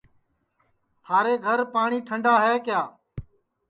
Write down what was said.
تھارے گھر پاٹؔی ٹھنڈا ہے کیا